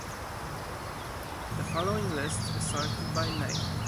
The following list is sorted by name.